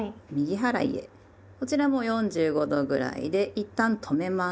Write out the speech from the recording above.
こちらも４５度ぐらいでいったん止めます。